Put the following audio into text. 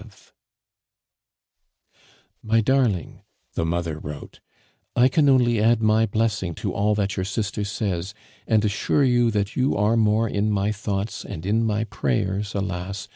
"EVE." "My darling," the mother wrote, "I can only add my blessing to all that your sister says, and assure you that you are more in my thoughts and in my prayers (alas!)